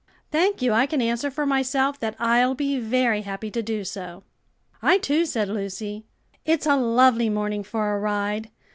"Thank you, I can answer for myself that I'll be very happy to do so." "I, too," said Lucy. "It's a lovely morning for a ride.